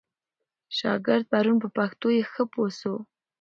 شاګرد پرون په پښتو ښه پوه سو.